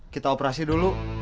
kita operasi dulu